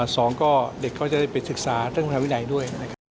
สองก็เด็กเขาจะได้ไปศึกษาเรื่องธรรมดาวินัยด้วย